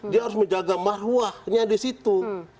dia harus menjaga marwahnya di situ